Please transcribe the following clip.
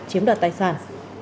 chiếm đoạt tài sản